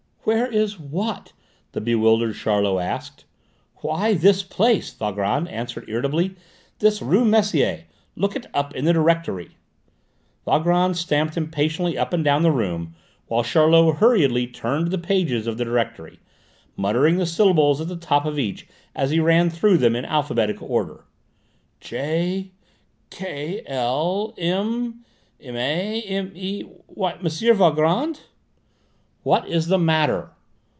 "Where is what?" the bewildered Charlot asked. "Why, this place," Valgrand answered irritably: "this rue Messier. Look it up in the directory." Valgrand stamped impatiently up and down the room while Charlot hurriedly turned over the pages of the directory, muttering the syllables at the top of each as he ran through them in alphabetical order. "J ... K ... L ... M ... Ma ... Me ... Why, M. Valgrand " "What's the matter?"